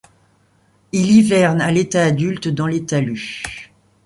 Il hiverne à l'état adulte dans les talus.